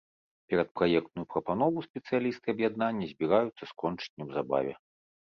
Перадпраектную прапанову спецыялісты аб'яднання збіраюцца скончыць неўзабаве.